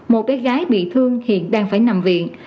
một bé gái bị thương hiện đang phải nằm viện